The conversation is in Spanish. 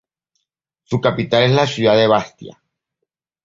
Su capital es la ciudad de Bastia.